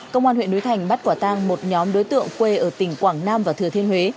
công an huyện núi thành bắt quả tang một nhóm đối tượng quê ở tỉnh quảng nam và thừa thiên huế